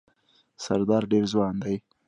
سردار ډېر ځوان دی.